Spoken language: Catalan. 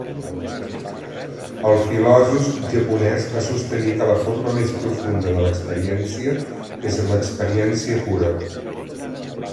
El filòsof japonès va sostenir que la forma més profunda de l'experiència és l'experiència pura.